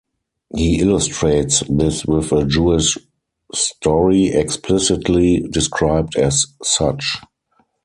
He illustrates this with a Jewish story, explicitly described as such.